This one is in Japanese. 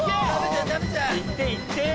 いっていって！